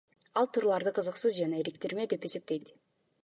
Ал турларды кызыксыз жана эриктирме деп эсептейт.